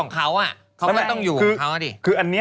เขาก็ต้องอยู่ของเขานะดิ